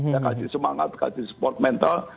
ya kasih semangat kasih support mental